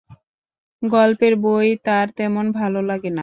গল্পের বই তার তেমন ভালো লাগে না।